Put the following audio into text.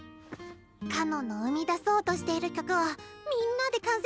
かのんの生み出そうとしている曲をみんなで完成させましょう。